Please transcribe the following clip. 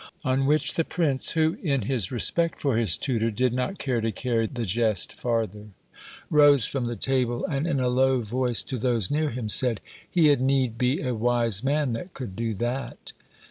On which the prince, who, in his respect for his tutor, did not care to carry the jest farther, rose from the table, and in a low voice to those near him said, "he had need be a wise man that could do that."